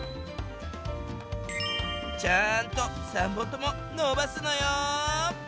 ちゃんと三本とものばすのよ！